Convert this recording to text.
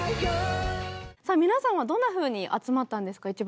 さあ皆さんはどんなふうに集まったんですか？